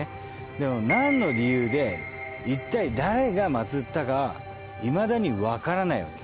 でもなんの理由でいったい誰がまつったかはいまだにわからないわけ。